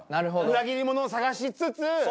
裏切り者を探しつつ？